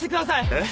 えっ！？